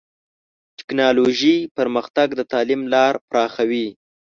ټکنالوژي پرمختګ د تعلیم لار پراخوي.